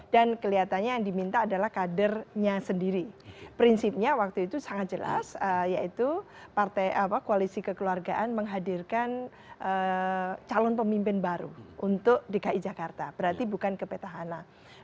dan kelihatannya yang diminta adalah kadernya sendiri prinsipnya waktu itu sangat jelas yaitu koalisi kekeluargaan menghadirkan calon pemimpin baru untuk dki jakarta berarti bukan ke petahana